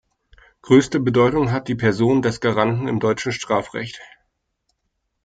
Größte Bedeutung hat die Person des Garanten im deutschen Strafrecht.